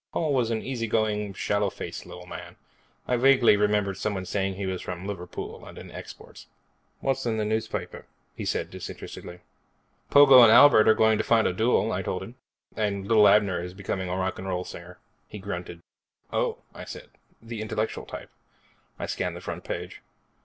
Paul was an easy going, sallow faced little man. I vaguely remembered somebody saying he was from Liverpool and in exports. "What's in the newspaper?" he said, disinterestedly. "Pogo and Albert are going to fight a duel," I told him, "and Lil Abner is becoming a rock'n'roll singer." He grunted. "Oh," I said, "the intellectual type." I scanned the front page.